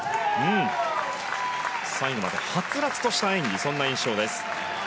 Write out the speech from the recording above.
最後まではつらつとした演技そんな印象です。